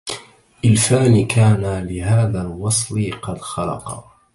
إلفان كانا لهذا الوصل قد خلقا